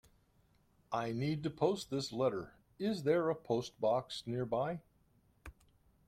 I need to post this letter. Is there a postbox nearby?